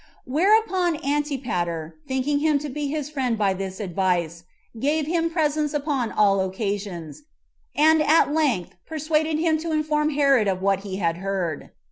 Whereupon Antipater, thinking him to be his friend by this advice, gave him presents upon all occasions, and at length persuaded him to inform Herod of what he had heard.